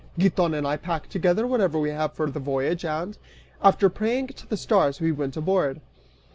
Giton and I pack together whatever we have for the voyage and, after praying to the stars, we went aboard.